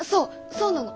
そうなの。